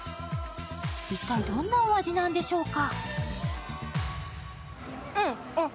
一体どんなお味なんでしょうか？